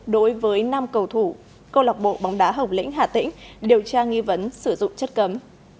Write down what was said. đối với năm cầu thủ câu lọc bộ bóng đá hồng lĩnh hà tĩnh điều tra nghi vấn sử dụng chất cấm